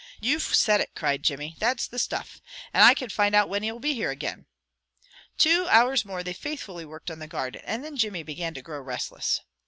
"You've said it," cried Jimmy. "That's the stuff! And I can find out whin he will be here again." Two hours more they faithfully worked on the garden, and then Jimmy began to grow restless.